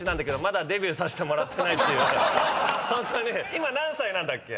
今何歳なんだっけ？